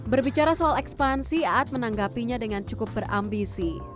berbicara soal ekspansi ad menanggapinya dengan cukup berambisi